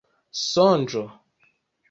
sonĝo